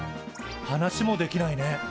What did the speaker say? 話もできないね。